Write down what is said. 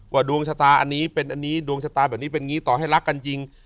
ดวงชะตาอันนี้เป็นอันนี้ดวงชะตาแบบนี้เป็นอย่างนี้ต่อให้รักกันจริง